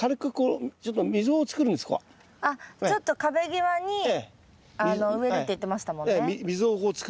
あっちょっと壁際に植えるって言ってましたもんね。